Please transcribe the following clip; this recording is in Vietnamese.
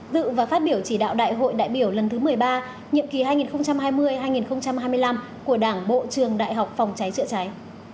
dự và phát biểu chỉ đạo đại hội đại biểu lần thứ một mươi ba nhiệm kỳ hai nghìn hai mươi hai nghìn hai mươi năm của đảng bộ trường đại học phòng cháy chữa cháy